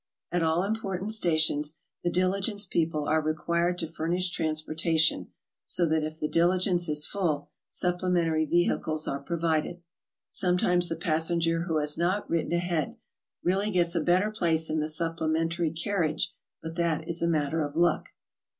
At all important stations, the diligence people are required to furnish transportation, so that if the diligence is full, supple mentary vehicles are provided. Sometimes the passenger who has not written ahead, really gets a better place in the supplementary carriage, but that is a matter of luck.